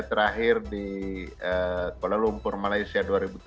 terakhir di kuala lumpur malaysia